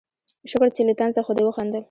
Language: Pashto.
شکر چې له طنزه خو دې وخندل